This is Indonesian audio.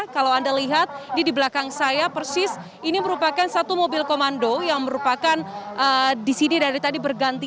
kalau anda lihat ini di belakang saya persis ini merupakan satu mobil komando yang merupakan disini dari tadi bergantung